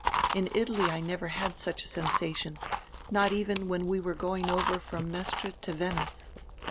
In Italy I never had such a sensation, not even when we were going over from Mestre to Venice.